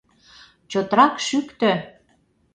Чотрак шӱктӧ!..